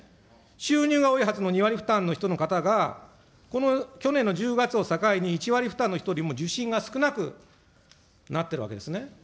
収入が多いはずの２割負担の方が、この去年の１０月を境に１割負担の人よりも受診が少なくなってるわけですね。